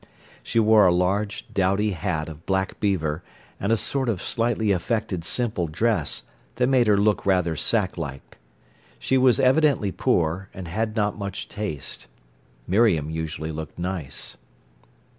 She wore a large, dowdy hat of black beaver, and a sort of slightly affected simple dress that made her look rather sack like. She was evidently poor, and had not much taste. Miriam usually looked nice.